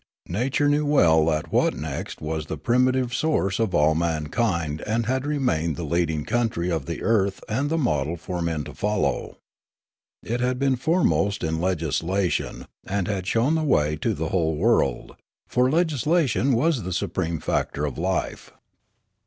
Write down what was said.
Nature knew well that Wotnekst was the primitive source of all mankind and had remained the leading country of the earth and the model for men to follow. It had been foremost in legislation and had shown the way to the whole world ; for legislation was the supreme factor of life.